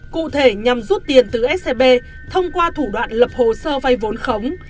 cụ thể nhằm rút tiền từ scb thông qua thủ đoạn lập hồ sơ vay vốn khống